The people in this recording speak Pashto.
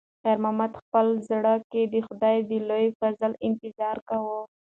خیر محمد په خپل زړه کې د خدای د لوی فضل انتظار کاوه.